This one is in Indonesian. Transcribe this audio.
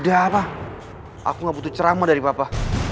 aku gak butuh ceramah dari papa